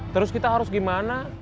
terus kita harus gimana